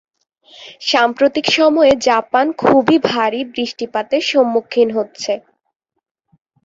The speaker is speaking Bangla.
সাম্প্রতিক সময়ে জাপান খুবই ভারী বৃষ্টিপাতের সম্মুখীন হচ্ছে।